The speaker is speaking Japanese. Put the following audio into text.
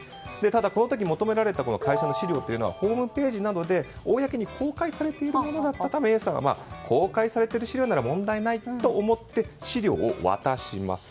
ただ、この時求められた会社の資料というのはホームページなどで公に公開されているものだったためＡさんは公開されている資料なら問題ないと思って資料を渡します。